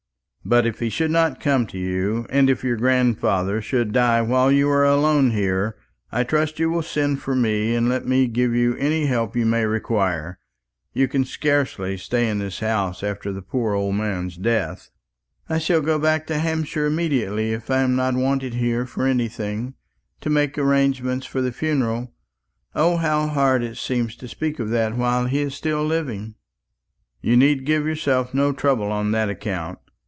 "But if he should not come to you, and if your grandfather should die while you are alone here, I trust you will send for me and let me give you any help you may require. You can scarcely stay in this house after the poor old man's death." "I shall go back to Hampshire immediately; if I am not wanted here for anything to make arrangements for the funeral. O, how hard it seems to speak of that while he is still living!" "You need give yourself no trouble on that account.